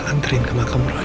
lanterin ke makam roy